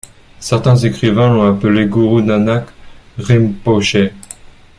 Certains écrivains l'ont appelé Guru Nanak Rimpoché.